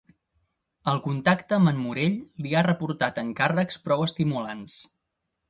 El contacte amb el Morell li ha reportat encàrrecs prou estimulants.